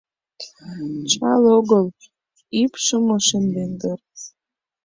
— Чал огыл, ӱпшым ошемден дыр.